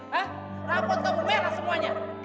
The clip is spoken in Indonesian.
rambut kamu merah semuanya